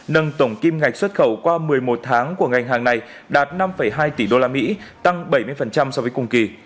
nâng tổng kim ngạch xuất khẩu qua một mươi một tháng của ngành hàng này đạt năm hai tỷ usd tăng bảy mươi so với cùng kỳ